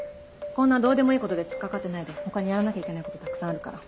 こんなどうでもいいことで突っ掛かってないで他にやらなきゃいけないことたくさんあるから。